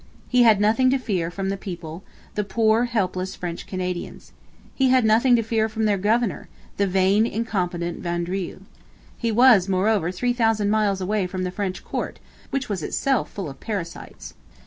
He had nothing to fear from the people, the poor, helpless French Canadians. He had nothing to fear from their governor, the vain, incompetent Vaudreuil. He was, moreover, three thousand miles away from the French court, which was itself full of parasites.